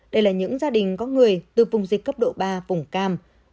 đây là những gia đình có người từ vùng dịch cấp độ ba vùng cam